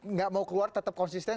nggak mau keluar tetap konsisten